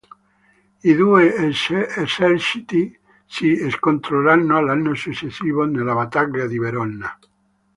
I due eserciti si scontrarono l'anno successivo nella battaglia di Verona.